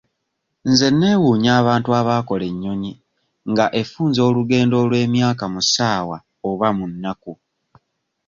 Nze neewuunya abantu abaakola nnyonyi nga efunza olugendo olw'emyaka mu ssaawa oba mu nnaku.